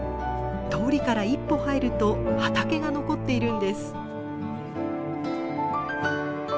通りから一歩入ると畑が残っているんです。